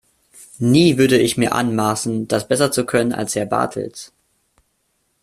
Nie würde ich mir anmaßen, das besser zu können als Herr Bartels.